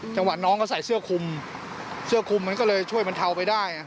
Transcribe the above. จังหวะน้องเขาใส่เสื้อคุมเสื้อคุมมันก็เลยช่วยมันเทาไปได้